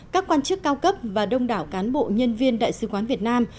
các quan chức cao cấp và đông đảo cán bộ nhân viên đại sứ quán việt nam